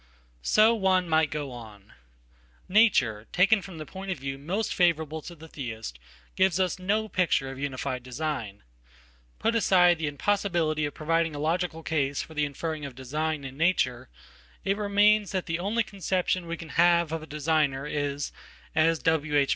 So one might go on. Nature taken from the point of view mostfavorable to the Theist gives us no picture of unified design. Putaside the impossibility of providing a logical case for theinferring of design in nature, it remains that the only conceptionwe can have of a designer is, as W.H.